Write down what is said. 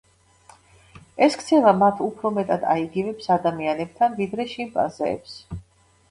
ეს ქცევა მათ უფრო მეტად აიგივებს ადამიანებთან ვიდრე შიმპანზეებს.